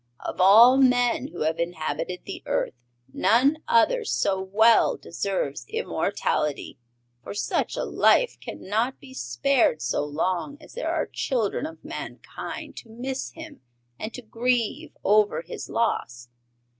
Of all men who have inhabited the earth none other so well deserves immortality, for such a life can not be spared so long as there are children of mankind to miss him and to grieve over his loss.